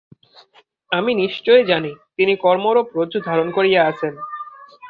আমি নিশ্চয়ই জানি, তিনি কর্মরূপ রজ্জু ধারণ করিয়া আছেন।